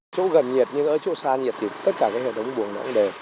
chỗ gần nhiệt nhưng ở chỗ xa nhiệt thì tất cả cái hệ thống buồng nó cũng đều